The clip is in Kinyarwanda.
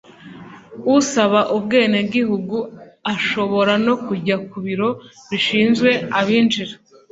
Usaba ubwenegihugu ashobora no kujya ku biro bishinzwe abinjira